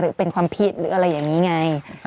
หรือเป็นความผิดหรืออะไรอย่างนี้ไง